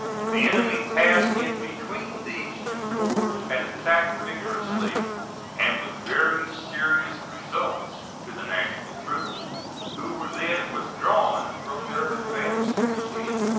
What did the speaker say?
The enemy passed in between these two corps and attacked vigorously, and with very serious results to the National troops, who were then withdrawn from their advanced position.